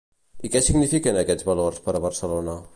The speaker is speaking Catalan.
I què signifiquen aquests valors per a Barcelona?